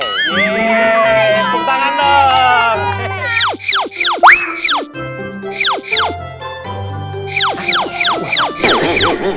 yeay tuk tangan dong